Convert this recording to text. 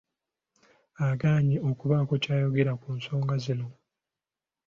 Agaanye okubaako ky’ayogera ku nsonga zino.